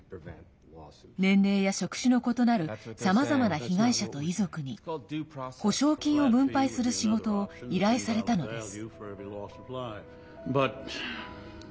年齢や職種の異なるさまざまな被害者と遺族に補償金を分配する仕事を依頼されたのです。